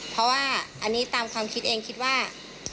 เพราะว่าอันนี้ตามความคิดเองคิดว่า